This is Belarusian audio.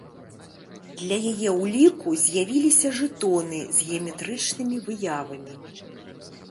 Для яе ўліку з'явіліся жэтоны з геаметрычнымі выявамі.